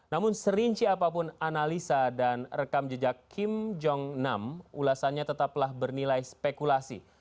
namun serinci apapun analisa dan rekam jejak kim jong nam ulasannya tetaplah bernilai spekulasi